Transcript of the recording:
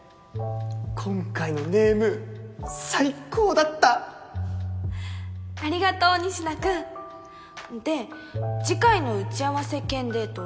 今回のネーム最高だったありがとう仁科君で次回の打ち合わせ兼デートはいつにする？